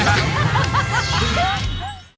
เฮ้ยเฮ้ยเฮ้ย